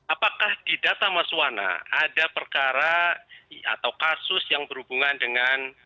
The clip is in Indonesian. apakah di data mas wana ada perkara atau kasus yang berhubungan dengan